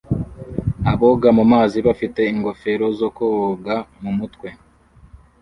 Aboga mu mazi bafite ingofero zo koga mumutwe